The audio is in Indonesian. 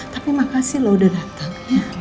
tapi makasih loh udah datang